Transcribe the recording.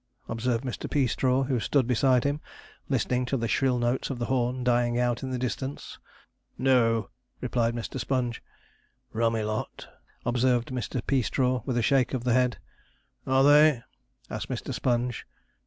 observed Mr. Peastraw, who stood beside him, listening to the shrill notes of the horn dying out in the distance. 'No,' replied Mr. Sponge. 'Rummy lot,' observed Mr. Peastraw, with a shake of the head. 'Are they?' asked Mr. Sponge.